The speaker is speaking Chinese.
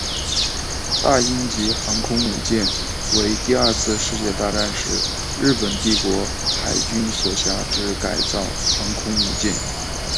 大鹰级航空母舰为第二次世界大战时日本帝国海军所辖之改造航空母舰。